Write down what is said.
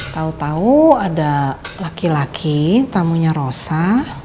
tau tau ada laki laki tamunya rosa